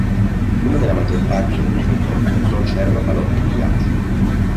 Come nella maggior parte del Mesozoico, non c'erano calotte di ghiaccio.